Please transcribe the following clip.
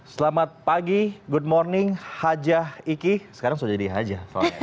selamat pagi good morning hajah iki sekarang sudah jadi haja